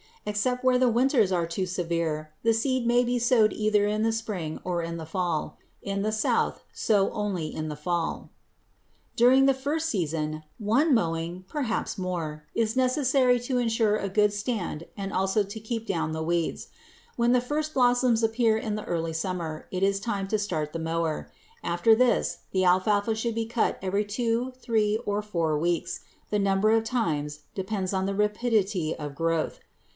Except where the winters are too severe the seed may be sowed either in the spring or in the fall. In the South sow only in the fall. [Illustration: FIG. 232. HERD OF DAIRY CATTLE GRAZING ON ALFALFA STUBBLE] During the first season one mowing, perhaps more, is necessary to insure a good stand and also to keep down the weeds. When the first blossoms appear in the early summer, it is time to start the mower. After this the alfalfa should be cut every two, three, or four weeks. The number of times depends on the rapidity of growth.